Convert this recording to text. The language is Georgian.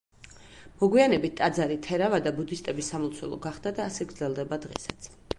მოგვიანებით ტაძარი თერავადა ბუდისტების სამლოცველო გახდა და ასე გრძელდება დღესაც.